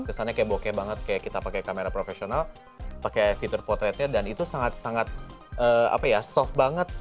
kesannya kayak bokeh banget kayak kita pakai kamera profesional pakai fitur potretnya dan itu sangat sangat soft banget